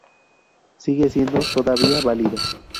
Sigue siendo todavía válido.